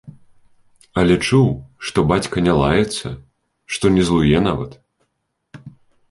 Але чуў, што бацька не лаецца, што не злуе нават.